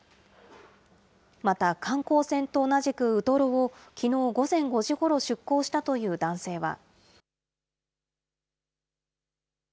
また観光船と同じく、ウトロを、きのう午前５時ごろ出港したという男性は。